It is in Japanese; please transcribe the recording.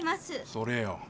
それよ。